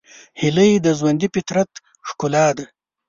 هیلۍ د ژوندي فطرت ښکلا ده